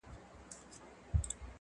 او ابۍ به دي له کوم رنځه کړیږي-!